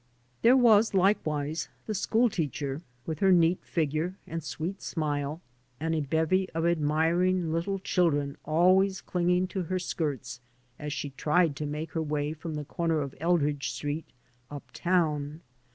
There was, likewise, the school teacher, with her neat figure and sweet smile, and a bevy of admiring little children always clinging to her skirts as she tried to make her way from the comer of Eldridge Street "up town."